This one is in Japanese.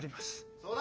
そうだ！